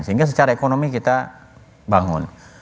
sehingga secara ekonomi kita bangun